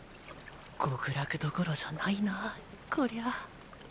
極楽どころじゃないなこりゃ。